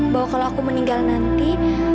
bahwa kalau aku meninggal nanti